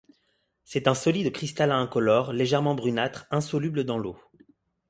C'est un solide cristallin incolore légèrement brunâtre insoluble dans l'eau.